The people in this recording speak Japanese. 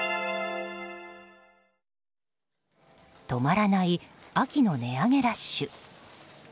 止まらない秋の値上げラッシュ。